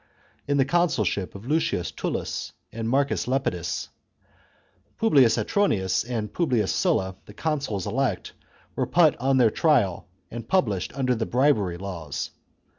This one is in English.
In the consulship of Lucius TuUus and Marcus Lepidus, Publius Autronius, and Publius Sulla, the consuls elect, were put on their trial and punished under the bribery laws.